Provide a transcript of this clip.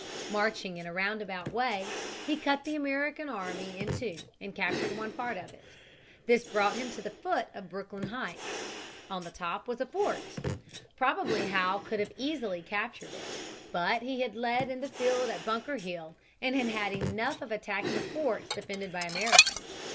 Marching in a round about way, he cut the American army in two and captured one part of it. This brought him to the foot of Brooklyn Heights. On the top was a fort. Probably Howe could easily have captured it. But he had led in the field at Bunker Hill and had had enough of attacking forts defended by Americans.